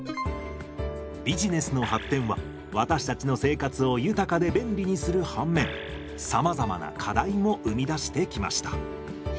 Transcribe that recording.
ビジネスの発展は私たちの生活を豊かで便利にする反面さまざまな課題も生み出してきました。